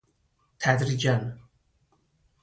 تدریجا